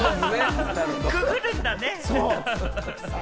くぐるんだね。